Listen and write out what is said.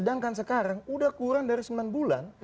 dan sekarang udah kurang dari sembilan bulan